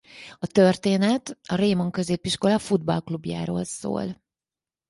A történet a Raimon Középiskola futballklubjáról szól.